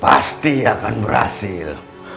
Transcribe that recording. pasti akan berhasil